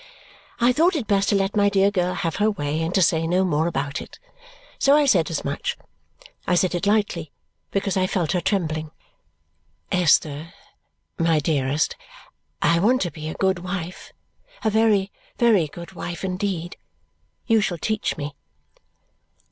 I thought it best to let my dear girl have her way and to say no more about it. So I said as much. I said it lightly, because I felt her trembling. "Esther, my dearest, I want to be a good wife, a very, very good wife indeed. You shall teach me."